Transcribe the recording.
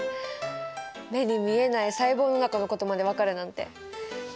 目に見えない細胞の中のことまで分かるなんて顕微鏡様々ですね。